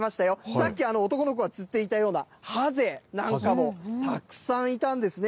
さっき男の子が釣っていたようなハゼなんかもたくさんいたんですね。